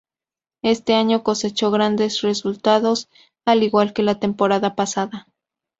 Este año cosechó grande resultados al igual que la temporada pasada.